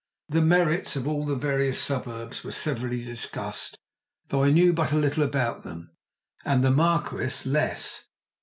The merits of all the various suburbs were severally discussed, though I knew but little about them, and the Marquis less.